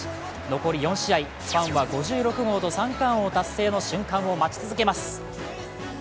残り４試合、ファンは５６号と三冠王達成の瞬間を待ち続けます。